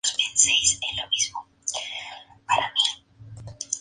En efecto, existen serias dudas sobre la posibilidad de crear un escudo antimisiles eficaz.